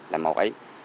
là một ý